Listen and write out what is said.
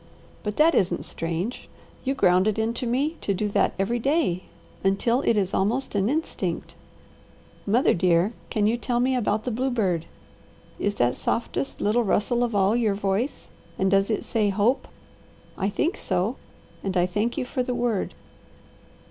But that isn't strange; you ground it into me to do that every day, until it is almost an instinct. Mother, dear, can you tell me about the bluebird? Is that softest little rustle of all your voice? and does it say 'hope'? I think so, and I thank you for the word."